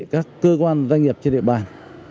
các cơ quan doanh nghiệp trên địa bàn